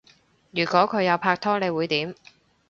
如果佢有拍拖你會點？